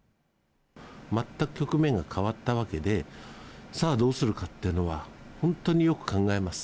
全く局面が変わったわけで、さあどうするかっていうのは、本当によく考えます。